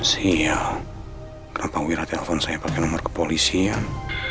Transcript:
saya kenapa wira telepon saya pakai nomor kepolisian